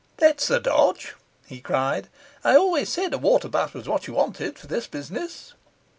'That's the dodge,' he cried. 'I always said a water butt was what you wanted for this business.